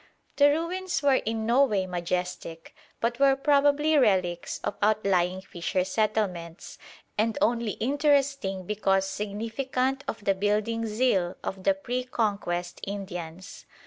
The ruins were in no way majestic, but were probably relics of outlying fisher settlements, and only interesting because significant of the building zeal of the pre Conquest Indians.